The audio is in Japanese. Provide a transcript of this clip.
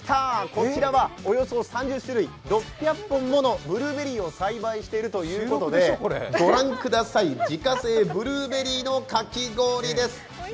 ここはおよそ３０種類およそ６００本ものブルーベリーを栽培しているということで自家製ブルーベリーのかき氷です。